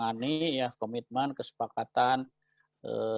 yang berasal negatif anda masih gimana upper